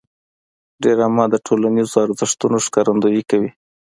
ډرامه د ټولنیزو ارزښتونو ښکارندويي کوي